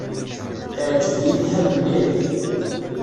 Iεǧeb-iyi lḥal mliḥ.